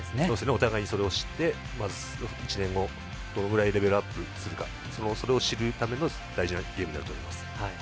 お互い、それを知って１年後、どのぐらいレベルアップするかそれを知るための大事なゲームになると思います。